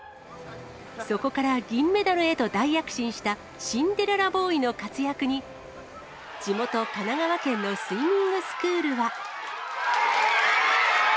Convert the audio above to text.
そこから銀メダルへと大躍進したシンデレラボーイの活躍に、地元、神奈川県のスイミングスクールは。